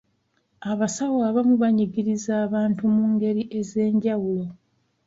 Abasawo abamu banyigiriza abantu mu ngeri ez'enjawulo.